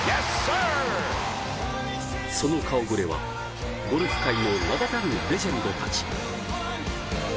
その顔ぶれはゴルフ界の名だたるレジェンドたち。